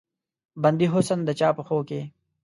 بندي حسن د چا پښو کې